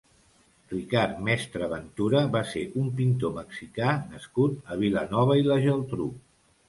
Ricard Mestre Ventura va ser un pintor mexicà nascut a Vilanova i la Geltrú.